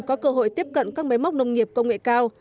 có cơ hội tiếp cận các máy móc nông nghiệp công nghệ cao